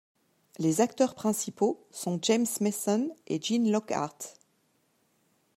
Les acteurs principaux sont James Mason et Gene Lockhart.